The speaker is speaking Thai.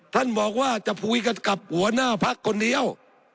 ท่านบอกว่าจะคุยกันกับหัวหน้าพักคนเดียว